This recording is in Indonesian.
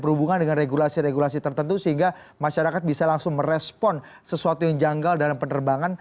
berhubungan dengan regulasi regulasi tertentu sehingga masyarakat bisa langsung merespon sesuatu yang janggal dalam penerbangan